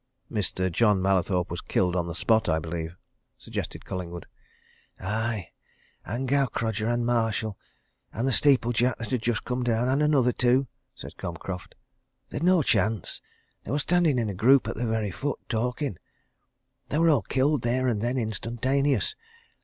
"Mr. John Mallathorpe was killed on the spot, I believe?" suggested Collingwood. "Aye and Gaukrodger, and Marshall, and the steeplejack that had just come down, and another or two," said Cobcroft. "They'd no chance they were standing in a group at the very foot, talking. They were all killed there and then instantaneous.